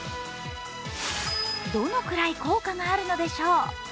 どのくらい効果があるのでしょう。